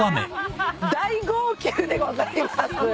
大号泣でございます。